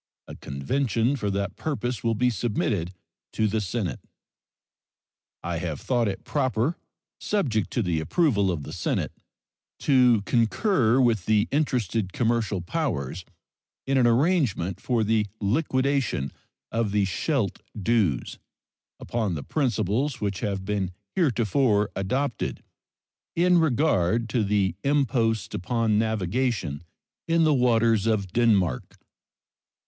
A convention for that purpose will be submitted to the Senate. I have thought it proper, subject to the approval of the Senate, to concur with the interested commercial powers in an arrangement for the liquidation of the Scheldt dues, upon the principles which have been heretofore adopted in regard to the imposts upon navigation in the waters of Denmark.